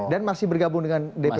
dan masih bergabung dengan dpp p tiga